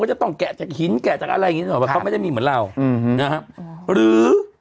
จะต้องแกะจากหินแกะจากอะไรอย่างงีนึกออกว่าเขาไม่ได้มีเหมือนเราอืมนะครับหรือ